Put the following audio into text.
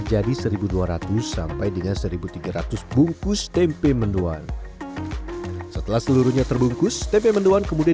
jadi seribu dua ratus sampai dengan seribu tiga ratus bungkus tempe menduan setelah seluruhnya terbungkus tempe menduan kemudian